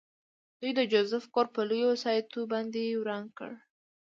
دوی د جوزف کور په لویو وسایطو باندې وران کړ